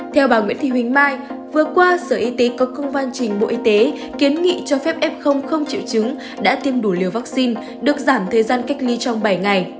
theo bà nguyễn thị huỳnh mai vừa qua sở y tế có công văn trình bộ y tế kiến nghị cho phép f không chịu chứng đã tiêm đủ liều vaccine được giảm thời gian cách ly trong bảy ngày